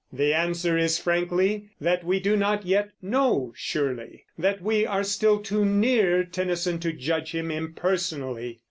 The answer is, frankly, that we do not yet know surely; that we are still too near Tennyson to judge him impersonally.